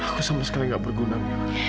aku sama sekali gak berguna mila